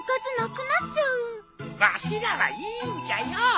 わしらはいいんじゃよ。